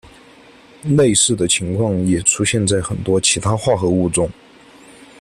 类似的情况也出现在很多其他化合物中。